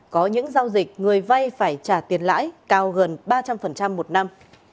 có những giao dịch người vay phải trả tiền lãi cao gần ba trăm linh một năm